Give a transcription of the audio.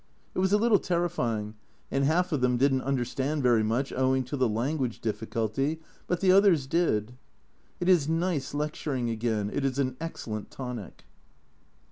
It was a little terrifying, and half of them didn't understand very much owing to the language difficulty, but the others did. It is nice lecturing again, it is an excellent tonic.